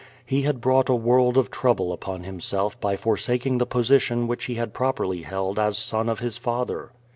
He had brought a world of trouble upon himself by forsaking the position which he had properly held as son of his father.